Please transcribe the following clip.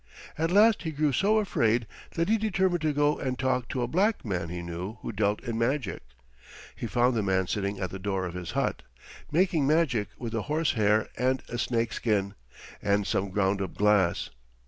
At last he grew so afraid that he determined to go and talk to a black man he knew who dealt in magic. He found the man sitting at the door of his hut, making magic with a horsehair and a snakeskin, and some ground up glass.